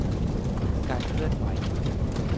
การเคลื่อนไหว